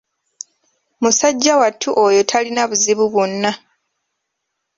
Musajja wattu oyo talina buzibu bwonna.